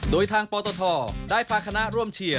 โดยทางปตทได้พาคณะร่วมเชียร์